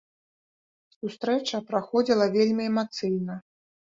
Сустрэча праходзіла вельмі эмацыйна.